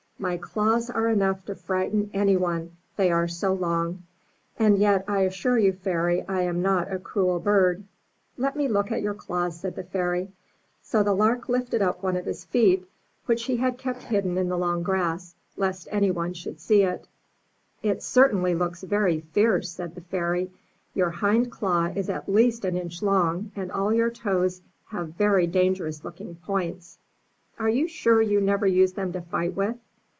My claws are enough to frighten any one, they are so long; and yet I assure you, Fairy, I am not a cruel bird. "Let me look at your claws, said the Fairy. So the Lark lifted up one of his feet, which he had 360 UP ONE PAIR OF STAIRS kept hidden in the long grass, lest any one should see it. 'It certainly looks very fierce/' said the Fairy. Your hind claw is at least an inch long, and all your toes have very dangerous looking points. Are you sure you never use them to fight with?''